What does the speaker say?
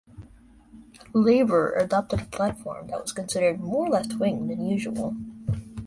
Labour adopted a platform that was considered more left-wing than usual.